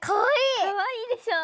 かわいいでしょ。